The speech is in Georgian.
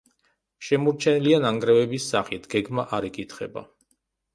შემორჩენილია ნანგრევების სახით, გეგმა არ იკითხება.